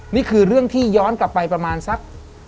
นี่คือเรื่องที่ย้อนกลับไปประมาณสัก